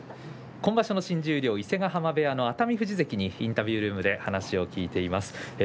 今場所の新十両伊勢ヶ濱部屋の熱海富士関にインタビュールームで話を聞いています。